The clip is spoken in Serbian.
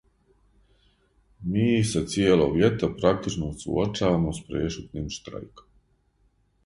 Ми се цијелог љета практично суочавамо с прешутним штрајком.